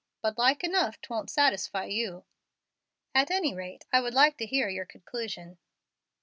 But like enough 'twon't satisfy you." "At any rate, I should like to hear your conclusion."